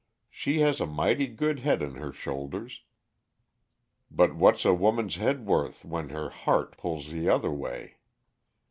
She has a mighty good head on her shoulders; but what's a woman's head worth when her heart pulls the other way?